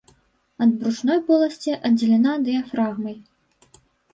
Ад брушной поласці аддзелена дыяфрагмай.